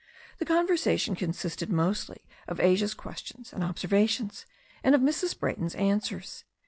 The conversation consisted mostly of Asia's questions and observations, and of Mrs. Brayton's answers.